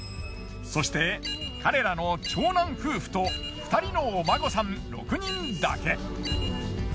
そして彼らの長男夫婦と２人のお孫さん６人だけ。